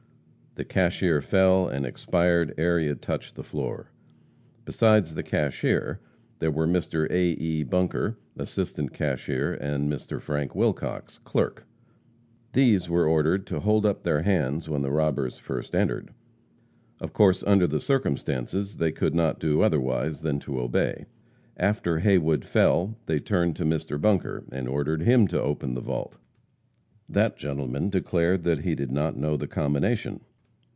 The cashier fell, and expired ere he had touched the floor. Besides the cashier, there were Mr. A. E. Bunker, assistant cashier, and Mr. Frank Wilcox, clerk. These were ordered to hold up their hands when the robbers first entered. Of course, under the circumstances, they could not do otherwise than to obey. After Haywood fell they turned to Mr. Bunker and ordered him to open the vault. That gentleman declared that he did not know the combination.